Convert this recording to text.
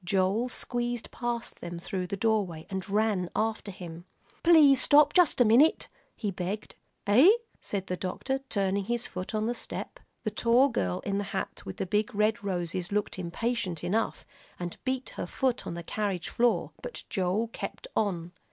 Joel squeezed past them through the doorway, and ran after him. "Please stop just a minute," he begged. "Hey?" said the doctor, turning his foot on the step. The tall girl in the hat with big red roses looked impatient enough, and beat her foot on the carriage floor, but Joel kept on.